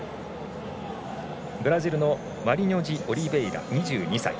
ブラジルのマリニョジオリベイラ２２歳。